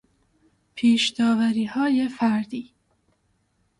پیشداوریهای فردی